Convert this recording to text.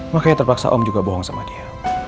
makanya terpaksa om juga bohong sama dia